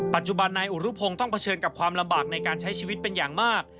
ปัจจุบันนายอุรุพงศ์ต้องเผชิญกับความลำบากในการใช้ชีวิตเป็นอย่างมาก